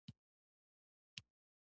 سهیلا وداع له ورځپاڼې وه.